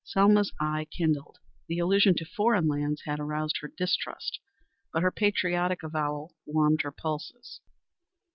Selma's eye kindled. The allusion to foreign lands had aroused her distrust, but this patriotic avowal warmed her pulses.